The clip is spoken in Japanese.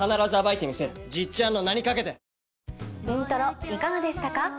『イントロ』いかがでしたか？